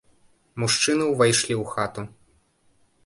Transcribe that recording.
Мужчыны ўвайшлі ў хату.